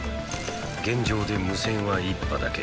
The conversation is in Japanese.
現場で無線は一波だけ。